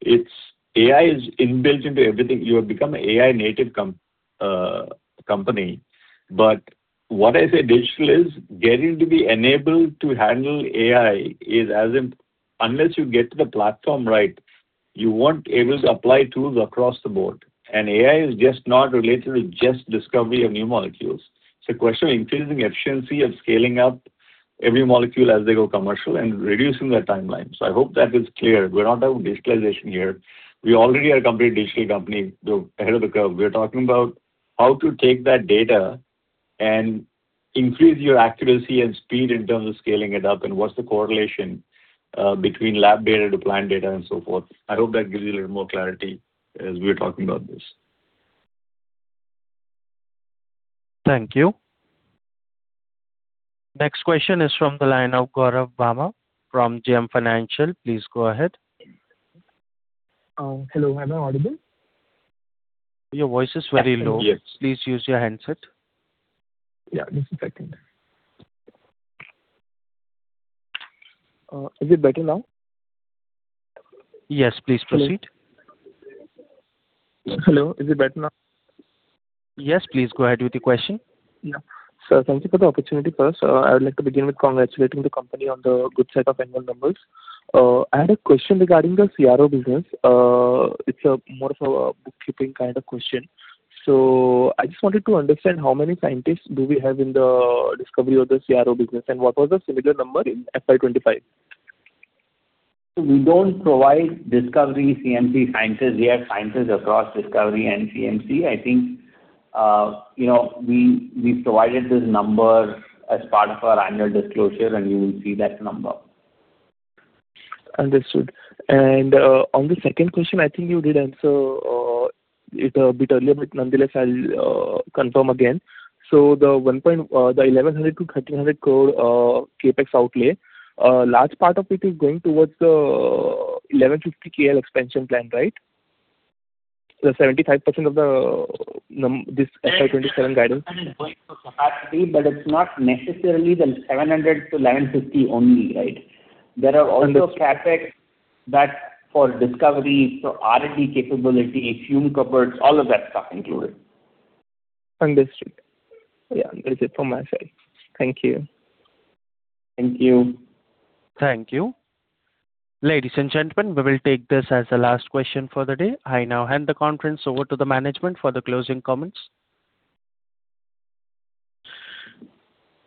AI is inbuilt into everything. You have become AI native company. What I say digital is, getting to be enabled to handle AI is as Unless you get the platform right, you won't able to apply tools across the board. AI is just not related to just discovery of new molecules. It's a question of increasing efficiency of scaling up every molecule as they go commercial and reducing the timeline. I hope that is clear. We're not talking digitalization here. We already are a company, a digital company, the ahead of the curve. We're talking about how to take that data and increase your accuracy and speed in terms of scaling it up, and what's the correlation between lab data to plant data and so forth. I hope that gives you a little more clarity as we're talking about this. Thank you. Next question is from the line of Gaurav Bawa from JM Financial. Please go ahead. Hello. Am I audible? Your voice is very low. Yes. Please use your handset. Yeah, this is better. Is it better now? Yes, please proceed. Hello. Is it better now? Yes, please go ahead with your question. Yeah. Sir, thank you for the opportunity first. I would like to begin with congratulating the company on the good set of annual numbers. I had a question regarding the CRO business. It's a more of a bookkeeping kind of question. I just wanted to understand how many scientists do we have in the discovery of the CRO business, and what was the similar number in FY 2025? We don't provide discovery CMC sciences. We have sciences across discovery and CMC. I think, you know, we provided this number as part of our annual disclosure. You will see that number. Understood. On the second question, I think you did answer it a bit earlier, but nonetheless, I'll confirm again. The 1,100-1,300 crore CapEx outlay, a large part of it is going towards the 1,150 KL expansion plan, right? The 75% of the This FY 2027 guidance. It is going for capacity, but it's not necessarily the 700-1,150 only, right? There are also CapEx that for discovery, for R&D capability, fume cupboards, all of that stuff included. Understood. Yeah, that's it from my side. Thank you. Thank you. Thank you. Ladies and gentlemen, we will take this as the last question for the day. I now hand the conference over to the management for the closing comments.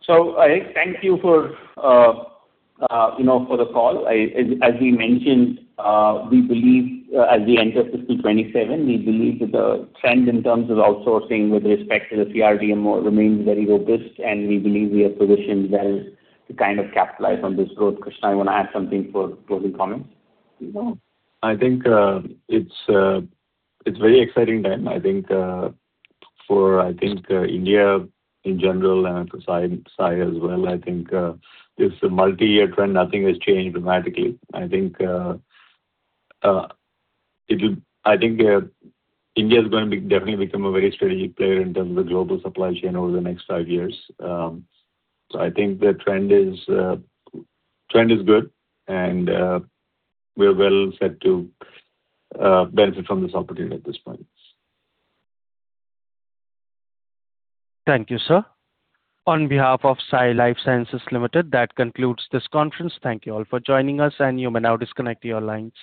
I thank you for, you know, for the call. I, as we mentioned, we believe, as we enter fiscal 2027, we believe that the trend in terms of outsourcing with respect to the CRDMO will remains very robust, and we believe we are positioned well to kind of capitalize on this growth. Krishna, you wanna add something for closing comments? No. I think, it's very exciting time, I think, for, I think, India in general and for Sai as well. I think, it's a multi-year trend. Nothing has changed dramatically. I think, it will I think, India is definitely become a very strategic player in terms of the global supply chain over the next five years. I think the trend is good, we're well set to benefit from this opportunity at this point. Thank you, sir. On behalf of Sai Life Sciences Limited, that concludes this conference. Thank you all for joining us. You may now disconnect your line.